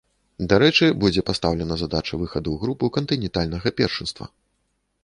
Дарэчы, будзе пастаўлена задача выхаду ў групу кантынентальнага першынства.